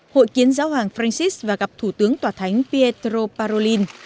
hội kiến giáo hoàng francis và gặp thủ tướng tòa thánh pietro parolin